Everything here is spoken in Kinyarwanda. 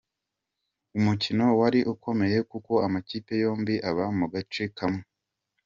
Umukino wari ukomeye kuko amakipe yombi aba mu gace kamwe.